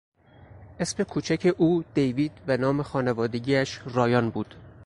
اسم کوچک او دیوید و نام خانوادگیش رایان بود.